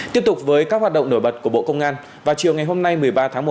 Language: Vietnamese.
tiếp tục với các hoạt động nổi bật của bộ công an vào chiều ngày hôm nay một mươi ba tháng một